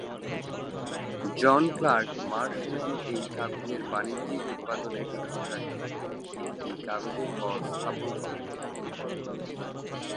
জন Clark Marshman এই কাগজের বাণিজ্যিক উৎপাদনের সুবিধার জন্য একটি কাগজের কল স্থাপন করেন।